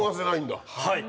はい。